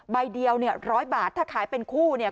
ใบเดียวเนี่ยร้อยบาทถ้าขายเป็นคู่เนี่ย